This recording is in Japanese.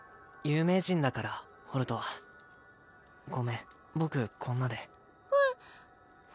有名人だからホルトはごめん僕こんなでえっ？